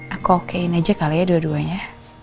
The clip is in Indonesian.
aku okein aja kali ya dua duanya